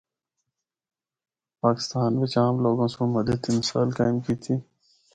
پاکستان بچ عام لوگاں سنڑ مدد دی مثال قائم کیتی۔